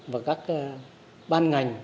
và các ban ngành